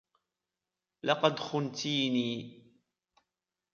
لقد خنتيني.